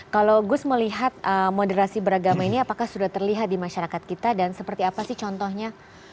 kalau gus melihat moderasi beragama ini apakah sudah terlihat di masyarakat kita dan seperti apa sih contohnya